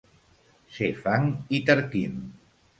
Ser fang i tarquim.